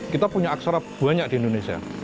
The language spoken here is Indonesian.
kita punya aksara banyak di indonesia